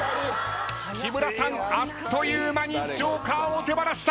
木村さんあっという間にＪＯＫＥＲを手放した。